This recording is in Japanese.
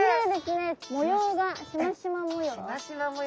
模様がしましま模様。